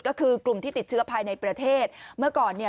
ก็คือกลุ่มที่ติดเชื้อภายในประเทศเมื่อก่อนเนี่ย